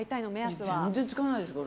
全然つかないです。